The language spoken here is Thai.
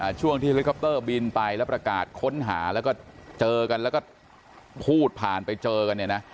ช่วงที่เฮลิคอปเตอร์บินไปแล้วประกาศค้นหาแล้วก็เจอกันแล้วก็พูดผ่านไปเจอกันเนี่ยนะ